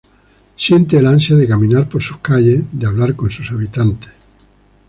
Siente el ansia de caminar por sus calles, de hablar con sus habitantes.